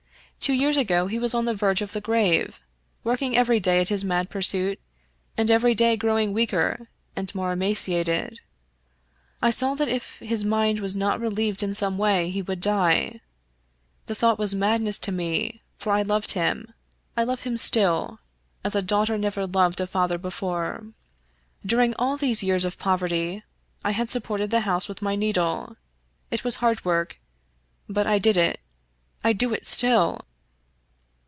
Two years ago he was on the verge of the grave, working every day at his mad pursuit, and every day growing weaker and more emaciated. I saw that if his mind was not relieved in some way he would die. The thought was madness to me, for I loved him — I love him still, as a daugh ter never loved a father before. During all these years of 20 Fitzjames O'Brien poverty I had supported the house with my needle ; it Was hard work, but I did it— I do it still